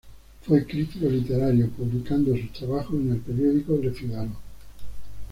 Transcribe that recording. Fue crítico literario, publicando sus trabajos en el periódico "Le Figaro".